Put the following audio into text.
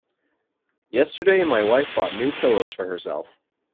Yesterday my wife bought new pillows for herself.